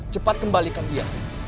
cepat kembalikan dia